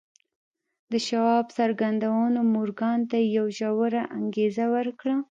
د شواب څرګندونو مورګان ته یوه ژوره انګېزه ورکړه